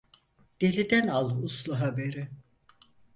Deliden al uslu haberi.